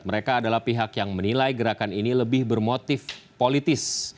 mereka adalah pihak yang menilai gerakan ini lebih bermotif politis